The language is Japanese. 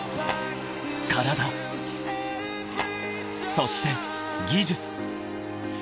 ［そして技術］